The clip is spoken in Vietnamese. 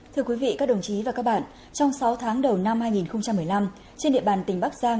thưa quý vị các đồng chí và các bạn trong sáu tháng đầu năm hai nghìn một mươi năm trên địa bàn tỉnh bắc giang